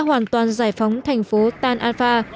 hoàn toàn giải phóng thành phố tan afar